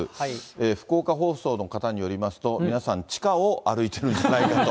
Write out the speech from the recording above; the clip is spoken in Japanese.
福岡放送の方によりますと、皆さん、地下を歩いてるんじゃないかと。